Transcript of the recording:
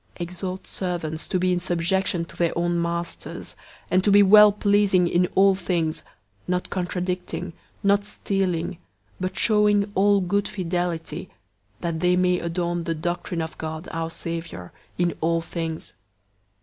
002:009 Exhort servants to be in subjection to their own masters, and to be well pleasing in all things; not contradicting; 002:010 not stealing, but showing all good fidelity; that they may adorn the doctrine of God, our Savior, in all things.